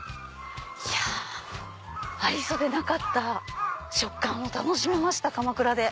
いやありそうでなかった食感を楽しめました鎌倉で。